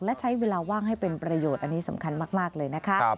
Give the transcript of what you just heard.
และใช้เวลาว่างให้เป็นประโยชน์อันนี้สำคัญมากเลยนะคะ